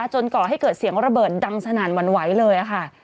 ก่อให้เกิดเสียงระเบิดดังสนั่นหวั่นไหวเลยค่ะ